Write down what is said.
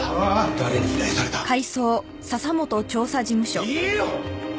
誰に依頼された？言えよ！